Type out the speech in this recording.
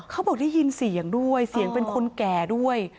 เขาบอกได้ยินเสียงด้วยเสียงเป็นคนแก่ด้วย